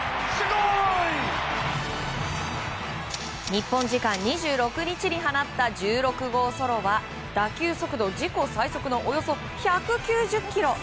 日本時間２６日に放った１６号ソロは打球速度自己最速のおよそ１９０キロ！